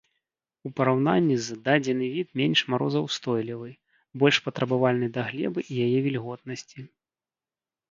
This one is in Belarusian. У параўнанні з дадзены від менш марозаўстойлівы, больш патрабавальны да глебы і яе вільготнасці.